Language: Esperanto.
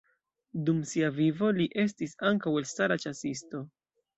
Dum sia vivo li estis ankaŭ elstara ĉasisto.